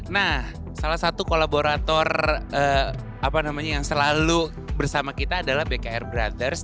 nah salah satu kolaborator apa namanya yang selalu bersama kita adalah bkr brothers